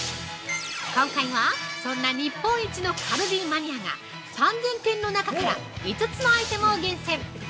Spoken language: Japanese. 今回は、そんな日本一のカルディマニアが３０００点の中から５つのアイテムを厳選！